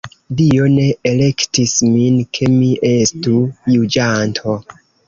Dio ne elektis min, ke mi estu juĝanto.